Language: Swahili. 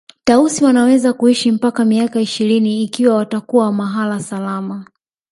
Tausi wanaweza kuishi mpaka miaka ishirini ikiwa watakuwa mahala salama